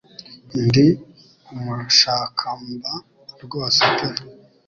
Ndi umushakamba rwose pe